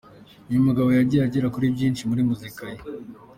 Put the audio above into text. Uyu mugabo yagiye agera kuri byinshi muri muzika ye.